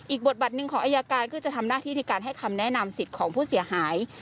บทบัตรหนึ่งของอายการก็จะทำหน้าที่ในการให้คำแนะนำสิทธิ์ของผู้เสียหาย